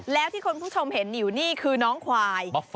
แล้วที่คุณผู้ชมเห็นอยู่นี่คือน้องควาย